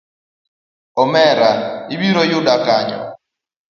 Omera ibiro yuda kanyo.